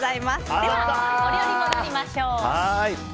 ではお料理に戻りましょう。